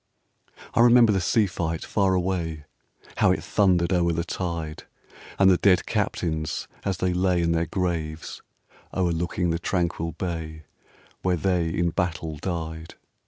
I remember the sea fight far away, How it thundered o'er the tide ! And the dead captains, as they lay In their graves, o'erlooking the tranquil buy Where they in battle died.